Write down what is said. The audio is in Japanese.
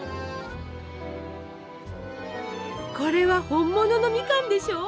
これは本物のミカンでしょ？